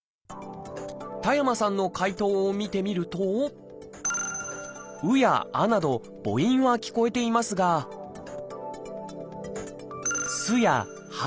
田山さんの解答を見てみると「う」や「あ」など母音は聞こえていますが「す」や「は」